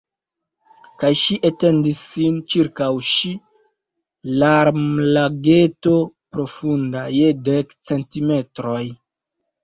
Kaj ŝi etendis sin ĉirkaŭ ŝi larmlageto profunda je dek centimetroj.